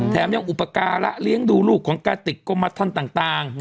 แถมยังอุปการะเลี้ยงดูลูกของกระติกกรมทันต่าง